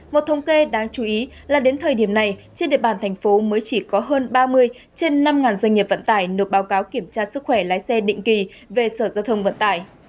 một thông kê đáng chú ý là đến thời điểm này trên địa bàn thành phố mới chỉ có hơn ba mươi trên năm doanh nghiệp vận tải nộp báo cáo kiểm tra sức khỏe lái xe định kỳ về sở giao thông vận tải